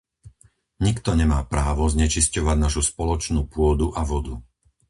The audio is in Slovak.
Nikto nemá právo znečisťovať našu spoločnú pôdu a vodu.